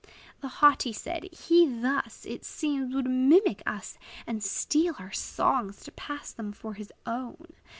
The haughty said, "He thus, It seems, would mimic us, And steal our songs, to pass them for his own!